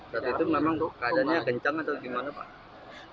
saat itu memang keadaannya kencang atau gimana pak